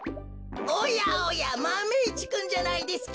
おやおやマメ１くんじゃないですか。